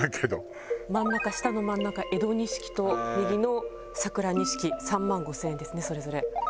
真ん中下の真ん中江戸錦と右の桜錦３万５０００円ですねそれぞれ。